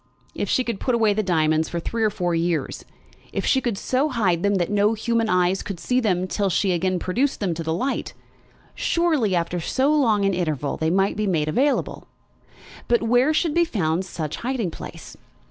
If she could put away the diamonds for three or four years, if she could so hide them that no human eyes could see them till she should again produce them to the light, surely, after so long an interval, they might be made available! But where should be found such hiding place?